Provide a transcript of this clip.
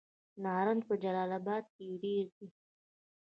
نارنج په جلال اباد کې ډیر دی.